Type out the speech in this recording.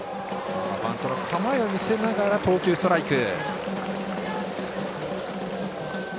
バントの構えを見せながら投球、ストライク。